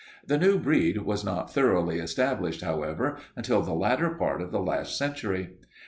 The new breed was not thoroughly established, however, until the latter part of the last century.